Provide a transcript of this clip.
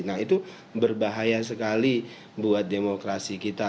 nah itu berbahaya sekali buat demokrasi kita